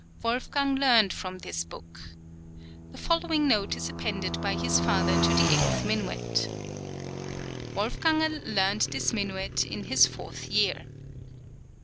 Wolfgang learned from this book. The following note is appended by his father to the eighth minuet: "Wolfgangerl learned this minuet in his fourth year."